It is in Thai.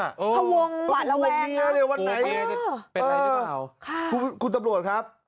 ทะวงหวานระแวงนะโอเคจะเป็นอะไรหรือเปล่าค่ะคุณสำรวจครับ